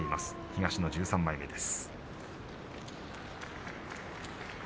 東の１３枚目です。